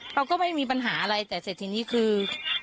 เขาก็ไม่มีปัญหาอะไรแต่เสร็จทีนี้คือ